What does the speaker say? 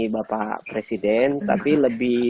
bapak presiden tapi lebih